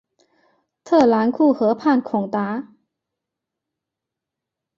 特兰库河畔孔达。